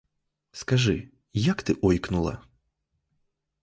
Скажи, як ти ойкнула?